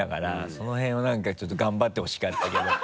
その辺を何かちょっと頑張ってほしかったけど。